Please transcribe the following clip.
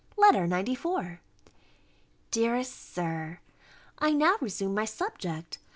B. LETTER XCIV DEAREST SIR, I now resume my subject.